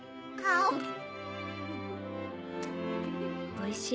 おいしい？